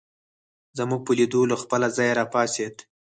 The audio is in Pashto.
زموږ په لیدو له خپله ځایه راپاڅېد.